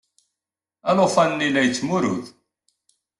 Alufan-nni la yettmurud.